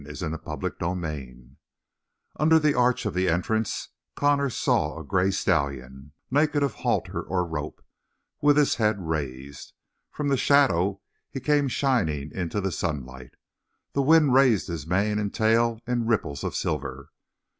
Look!" CHAPTER FOURTEEN Under the arch of the entrance Connor saw a gray stallion, naked of halter or rope, with his head raised. From the shadow he came shining into the sunlight; the wind raised his mane and tail in ripples of silver.